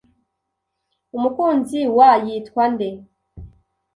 Umukunzi wa yitwa nde?